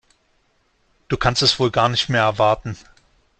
Du kannst es wohl gar nicht mehr erwarten.